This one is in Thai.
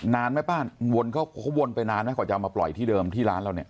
นานไหมป้าวนเขาวนไปนานไหมกว่าจะเอามาปล่อยที่เดิมที่ร้านเราเนี่ย